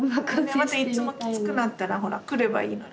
またいつもきつくなったらほら来ればいいのに。